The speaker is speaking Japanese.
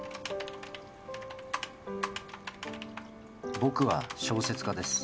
僕は小説家です